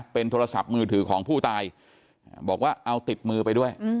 เป็นโทรศัพท์มือถือของผู้ตายบอกว่าเอาติดมือไปด้วย